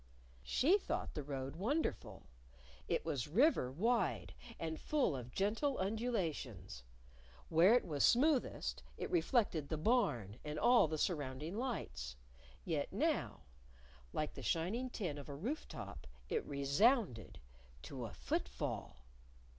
She thought the road wonderful. It was river wide, and full of gentle undulations. Where it was smoothest, it reflected the Barn and all the surrounding lights. Yet now (like the shining tin of a roof top) it resounded to a foot fall!